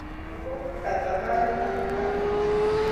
Nebo katabanetab kalait